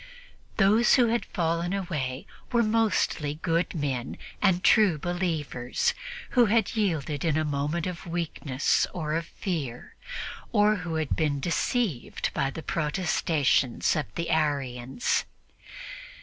Those who had fallen away were mostly good men and true believers who had yielded in a moment of weakness or of fear, or who had been deceived by the protestations of the Arians.